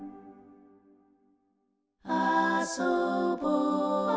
「あそぼ」